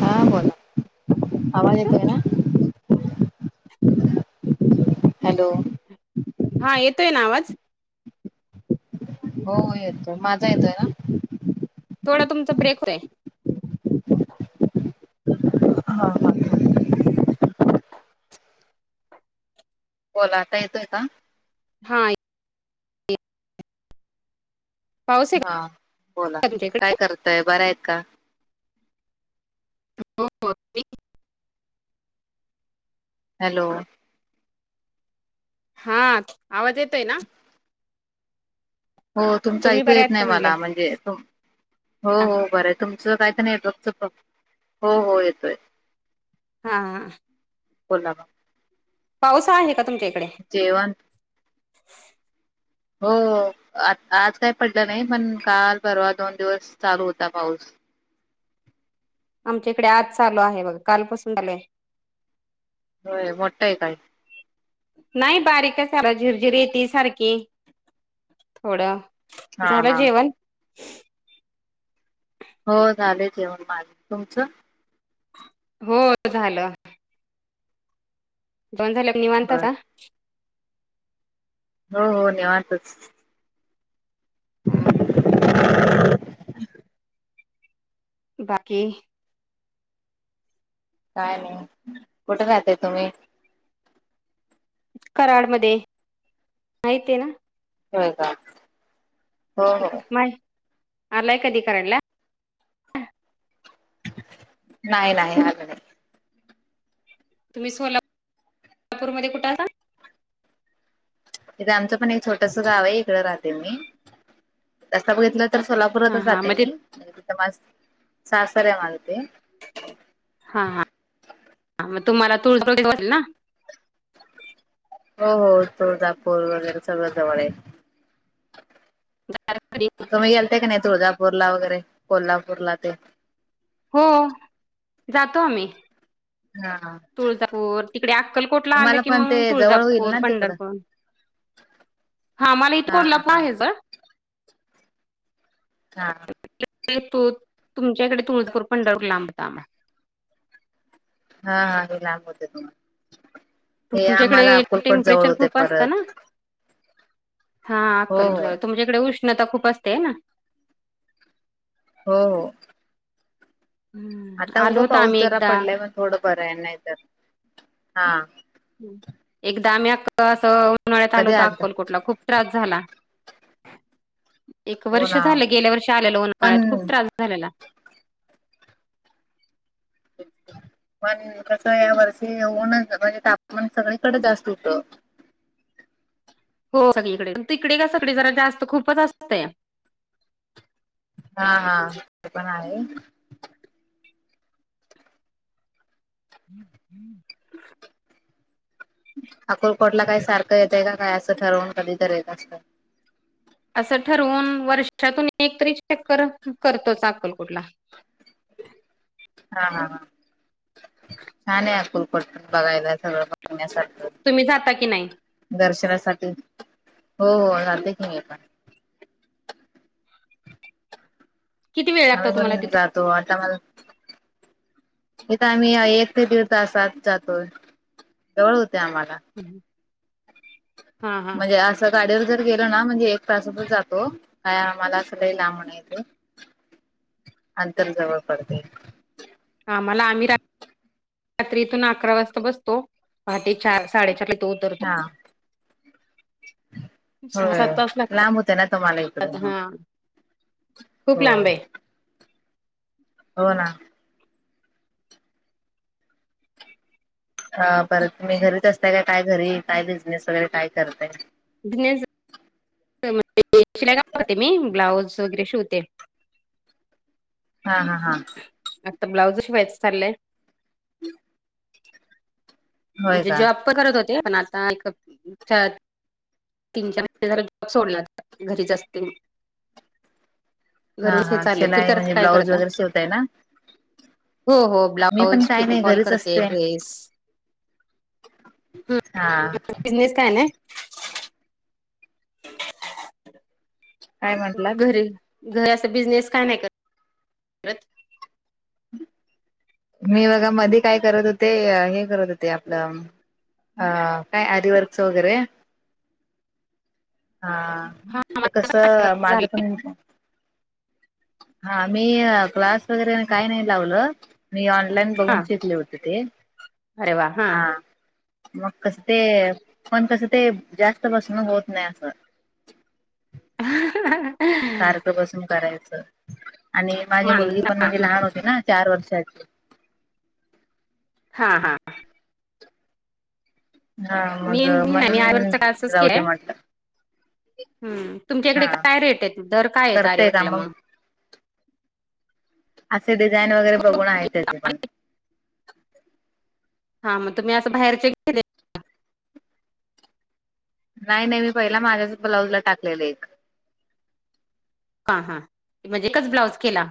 हा बोला आवाज येतोय ना हॅलो हा येतोय ना आवाज हो येतोय माझा येतोय ना थोडा तुमचा ब्रेक होतोय हा ह [unintelligible] बोला आता येतोय का? हा पाऊस आहे हा बोला का तुमच्या इकडे काय करतय बरं आहेत का हो हॅलो हा आवाज येतोय ना हो तुमचं तुम्ही ऐकू बऱ्या येत आहेत का नाही म्हटलं मला म्हणजे तुम्ही हो हो बरं आहे तुमचं काही तर नाही बघ हो हो येतोय हा. बोला. पावसा आहे का तुमच्या इकडे? जेवण. हो आ आज काही पडलं नाही पण काल परवा दोन दिवस चालू होता पाऊस. आमच्या इकडे आज चालू आहे बघ कालपासून चालूय. होय मोठं आहे का. नाही बारीक सार झिरझिरी येते सारखी थोडं. हा झालं हा जेवण? हो झालेचेऊन माग तुमचं. हो झालं. दोन झाले प बर निवनतात. हो हो निेवातच. हम् हम्. बाकी. काय नाही कुठे रहाते तुम्ही? कराड मध्ये माहित आहे ना? होय का. हो हो माय आलाय कधी कराडला? नाही नाही आ. तुम्ही सोलापू सोलापूर मध्ये कुठं राहता.? तथे आमचं पण एक छोटस गाव आहे इकड राहते मी. रस्ता बघितलं तर हा सोलापूरातच हा जाते मग ते मी म्हणजे तिथं माझ सारसर आहे माझ ते. हा हा मग तुम्हाला तुळुळल ना. हो हो तुळजापूर वगैरे सगळं जवळ आहे. झा तुम्ही गेल का नाही तुळजापूर ला वगैरे कोल्हापूरला ते. हो जातो आम्ही. हा. तुळजापूर तिकडे अक्कलकोटला आलं तुम्हाला की पण ते मग जवळ होईल तुळजापूर ना तिकडं पंढरपूर. हा मला इथ कोण लप आहे ज. हा. तू तुमच्या इकडे तुळजपूर पंढरूर लांबता आम्हाला. हा हा हे लांब होते तुम्हाला हे तुमच्या आम्हाला इकडे अकुलपट जवळ टेम्परेचर होते खूप असतं ना परत. हा हो अक्कल हो जवळ तुमच्या इकडे उष्णता खूप असते ना. हो हो. हम्म आता आलो मुगं होतो पाऊस आम्ही जरा एकदा पडलाय मग थोडं बरं आहे नाही तर हा. एकदा आम्ही अक्क असं उन्हाळ्यात आलो कधी होतो आलता अक्कलकोटला खूप त्रास झाला एक हो वर्ष ना झालं गेल्या वर्षी आलेल पण उन्हाळ्यात खूप त्रास झा झालेला आणि कस या वर्षी होऊनच म्हणजे तापमान सगळेकडे जास्त होत. हो सगळीकडे तकडे का सगळी जरा जास्त खूपच असतं. हा हा ते पण आहे. हम्म हम्म. अकुलकोटला काही सारखं येतय काय असं ठरवून कधी तर येत असतं असं ठरवून वर्षातून एक तरी चेककर करतो अक्कल कुठला हा हा ह छान ह फल कोट बघाय सगळ तुम्ही जाता की नाही दर्शनासाठी हो जाते की म पण किती वेळ लागतो आम्ही तुम्हाला पण जातो आता मला इथे आम्ही एक ते तीवथासात जातोय जवळ होते आम्हाला हम् म्हणजे अस गाडीवर जर गेलो ना म्हणजे एक तासातच जातो काय आ मला अस ल लांबण येथे अंतर जवळ पडते आम्हाला आम्ही रात्रीतून अकरा वाजता बसतो पहाट चार साडेचार ला तो तर हा सहा होय सात तास लांब होते ना तुम्हाला इकडे लागतात आ मग हा खूप हो लांब आहे हो ना हा परत तुम्ही घरीच असताय का काय घरी काय बिझनेस वगैरे काय करताय बिनेस शिलायाते मी ब्लाऊज वगैरे शिवते हा हा हा आता ब्लाउज शिवा्हायचं चाललंय होय म्हणजे का जॉब प करत होते पण आता एक तीन चार झा जॉब सोडला घरी जा असते हा गरच हे हा चाललय तू शिलाई करत म्हणजे काय ब्लाऊज करता वगैरे शिवताय ना हो हो मी पण ब्लाऊज काही नाही पिकफॉल घरीच करते असते ड्रेस हा बिझनेस काय ना काय म्हंटलात घरी घर अस बिझनेस का नाही करत करत मी बघा मध्ये काय करत होते हे करत होते आपलं अ काय आरवर्क्स वगैरे हा हा ते कसं माझं झाले पण हा मी क्लास वगैरे काही नाही लावलं मी ऑनलाईन बघून हा शेतले होते ते अरे वा हा मग कसं ते पण कसं ते जास्त बसून होत नाही असं ह सारखं बसून करायचं आणि माझी मान मुलगी पण म्हणजे लहान होती ना चार वर्षाची हा हा हा मग मी मी ना म्हणून मी आच का असच की राहू दे आहे म्हटलं हम्म तुमच्या इकडे हा काय रेट आहेत दर काय आहेत करतेय का आरवरटला मग असे डिझाईन वगैरे बघून आहे त्याचे पण हां मग तुम्ही असं बाहेरचे गे नाही नाही मी पहिला माझ्याच ब्लाऊज ला टाकलेलं एक हां हां म्हणजे एकच ब्लाऊज केला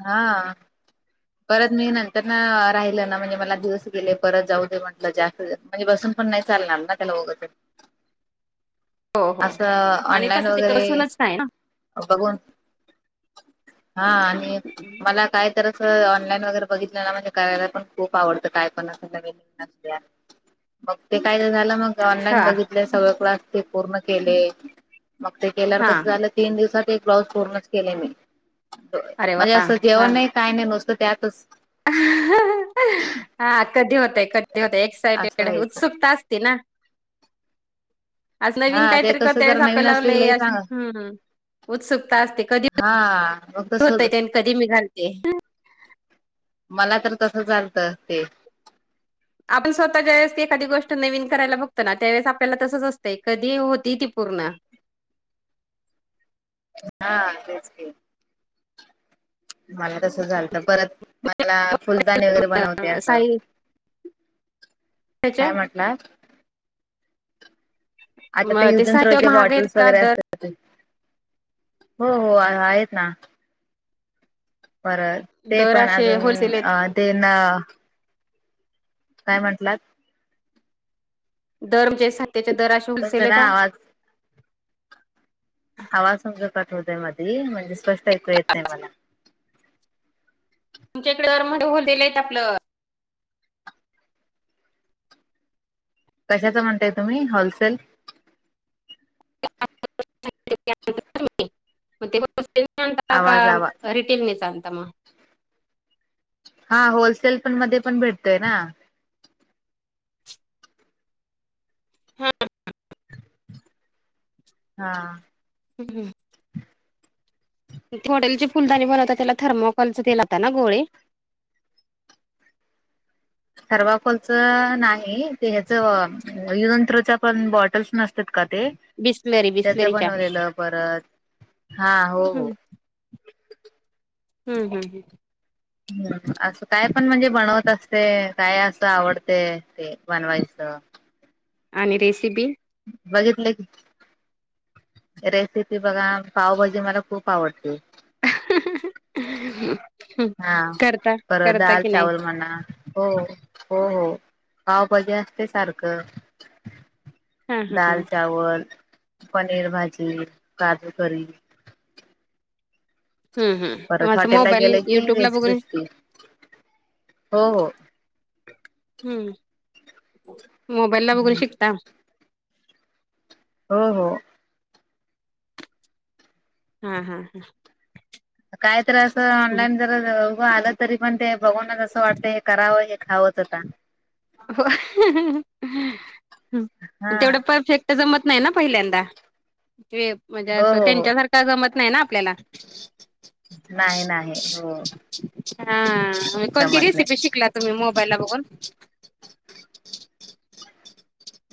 हा परत मी नंतर ना राहिलं ना म्हणजे मला दिवस गेले परत जाऊ दे म्हटलं जास् म्हणजे बसून पण नाही चालणार ना त्याला हो हो असं आणि ऑनलाईन तसं ते वगैरे कसूनच का ना बघून हा आणि मला काय तर ऑनलाईन वगैरे बघित म्हणजे करायला पण खूप आवडतं काय पण असल वे नल्या मग ते काय तर झालं मग. ऑनलाईन हा बघितल. सगळ क्लास ते पूर्ण केले. मग ते केल्यावर हा कसं झालं तीन दिवसात एक ब्लाउज पूर्णच केले मी. अरे म्हणजे वा असं हा जेवण नाही काय नाही नुसतं, त्यातच. [unintelligible] हा, कधी होतय. कधी होतय. एक्स असं यटेड, व्हायचं उत्सुकता असती ना. आज नवीन हा ते काहीतरी कसं करता जरा येस नवीन आपल्याला असलं की लई आस. चांगलं हम्म्. उत्सुकता असते. कधी हा मग तस होत ते, न कधी मी घालते. मला तर तसं झालतं, ते. आपण स्वतः ज्यावेळेस ती एखादी गोष्ट नवीन करायला बघतो ना. त्यावेळेस आपल्याला तसंच असतंय, कधी होतीय ती पूर्ण. [inaudible] हा, तेच की. मला तसं झालत. परत, मला फुलदाणी वगैरे बनवते असं. त्याच्या. [unintelligible] आता ते म युज न साहित्य थ्रोचे महाग आहेत बॉटल्स का वगैरे दर असतात. [unintelligible] हो, हो, हा आहेत ना. बर, ते दर पण असे अजून, होलसेल आहेत अ ते ना. काय म्हंटलात? दर म्हणजे [unintelligible] दर तुमचा अशे [unintelligible] ना का? आवाज आवाज तुमचा कट होतय मधी. म्हणजे, स्पष्ट ऐकू येत नाही मला. तुमच्याकड [unintelligible] आपलं. कशाच, म्हणताय तुम्ही? होलसेल. [unintelligible] आणता का आवाज आवा रिटेल मध्येच आणता मग. हा, होलसेल पण मध्ये पण भेटतय ना. हा, ह. हा. हम्. [unintelligible] फुलदाणी बनवता त्याला थर्मोकॉलच ते, लावता ना गोळे. थर्माकोलच नाही, ते ह्याच. यंत्रोच पण बॉटल्स नस तात का ते. बिस्लरी त्याच बिस्लरीच्या बनवलेलं. परत, हा, हो. हम्म, हम्, हम्. ह्, असं काय पण म्हणजे बनवत असते. काय असं आवडते, ते बनवायचं. आणि रेसिपी. बघितले की. रेसिपी बघा, पावभाजी मला खूप आवडते. ह [unintelligible] हम. हा. परत, दाल - नाही चावल म्हणा. हो. हो, हो. पावभाजी असते, सारखं. हा हा दाल -चावल, पनीर भाजी, काजू- करी. हम्, हम. परत आसं. हॉटेलला मोबाईल, गेले की युट्यूब ला व्हेज बघून. क्रिस्पी हो हो हम्म. मोबाईल ला बघून शिकता. हो, हो. हा, हा, हा. काय तर असं, ऑनलाईन जर उं आलं तरी, पण ते बघूनच असं वाटत, हे करावं. हे खावं. [unintelligible] हो. [unintelligible] हा तेवढं परफेक्ट जमत नाही ना, पहिल्यांदा. म्हणजे हो अस, हो हो त्यांच्यासारखं जमत नाही ना, आपल्याला. नाही नाही हो. हा कोणती जमत नाही रेसिपी शिकला तुम्ही मोबाईल ला बघून? [unintelligible]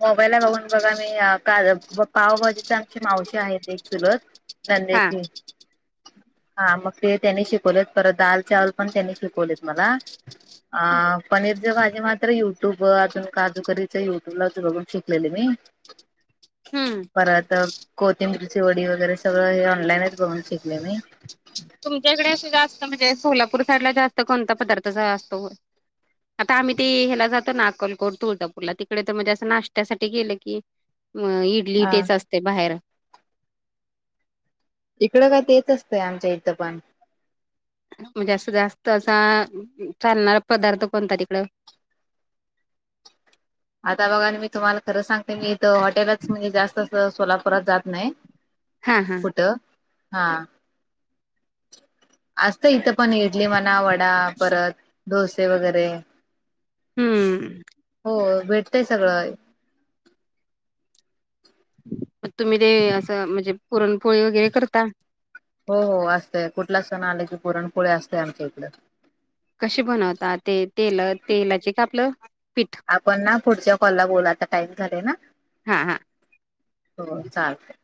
मोबाईलला बघून बघा आम्ही का पावभजीचे आमचे मावशी आहेत एक चुलत हा नंदेची हा मग ते त्यांनी शिकवलेत परत दाल चावल पण त्यांनी शिकवलेत मला. अ पनीरचे भाजी मात्र युट्यूब अजून काजूकरीच युट्यब तुला च बघून शकलेली मी. हम्म! परत कोथिंबिरची वडी वगैरे सगळं हे ऑनलाईनच बनून शिकले मी. तुमच्या इकडे असं जास्त म्हणजे सोलापूर साईडला जास्त कोणता पदार्थ ज असतो? आता आम्ही ते ह्याला जातो ना अकलकोट, तुळजापूरला तिकडे तर म्हणजे असं नाष्ट्यात्यासाठी गेलं की इडली हा. तेच असते बाहेर. इकडं का तेच असतंय आमच्या इथं पण. म्हणजे जास्त असा चालणार पदार्थ कोणता तिकडं आता बघा मी तुम्हाला खरं सांगते मी इथं हॉटेलच म्हणजे जास्त अस सोलापूरात जात नाही. हा हा! हा! असत इथं पण इडली म्हणा वडा परत डोसे वगैरे हम्म! हो भेटतंय सगळं. तुम्ही ते असं म्हणजे पुरणपोळी वगैरे करता? हो हो असतेय कुठला सण आलं की पुरणपोळे असते आमच्या इकड. कशी बनवता ते तेल तेलाची का आपलं पीठ? आपण ना पुढच्या कॉलला बोला आता टाईम झालाय ना. हा हा हो चालतंय.